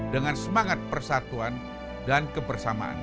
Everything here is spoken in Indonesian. dengan semangat persatuan dan kebersamaan